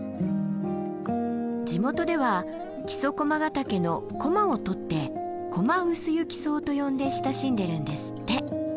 地元では木曽駒ヶ岳の「コマ」を取って「コマウスユキソウ」と呼んで親しんでるんですって。